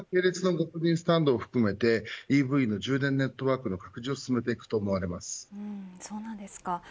今後は系列のガソリンスタンドも含めてＥＶの充電ネットワークの拡充を進めていくとみられます。